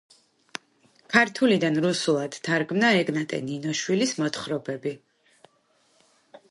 ქართულიდან რუსულად თარგმნა ეგნატე ნინოშვილის მოთხრობები.